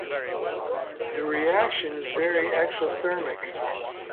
The reaction is very exothermic.